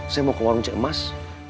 saya mau ke warung cemas